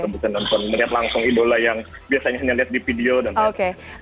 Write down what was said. bukan nonton lihat langsung idola yang biasanya hanya lihat di video dan lain lain